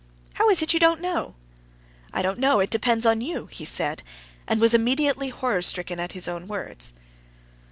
"How is it you don't know?" "I don't know. It depends upon you," he said, and was immediately horror stricken at his own words.